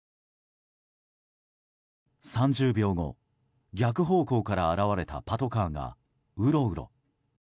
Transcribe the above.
３０秒後逆方向から現れたパトカーがうろうろ。